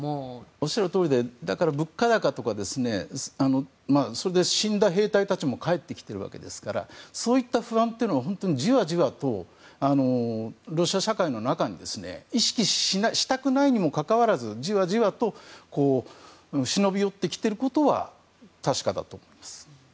おっしゃるとおりで物価高とか、死んだ兵隊たちも帰ってきてるわけですからそういった不安というのが本当にじわじわとロシア社会の中に意識したくないにもかかわらずじわじわと忍び寄ってきていることは確かだと思います。